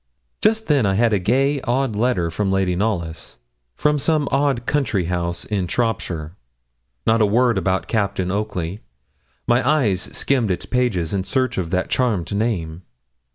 Just then I had a gay, odd letter from Lady Knollys, from some country house in Shropshire. Not a word about Captain Oakley. My eye skimmed its pages in search of that charmed name.